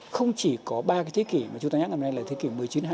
không chỉ có ba cái thế kỷ mà chúng ta nhắc đến đây là thế kỷ một mươi chín hai mươi một